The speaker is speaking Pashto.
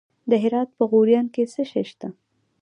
د هرات په غوریان کې څه شی شته؟